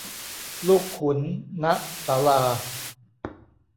ลูกขุน ณ ศาลา